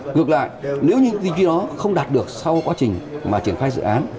ngược lại nếu như thư chi đó không đạt được sau quá trình mà triển khai dự án